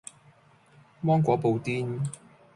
芒果布甸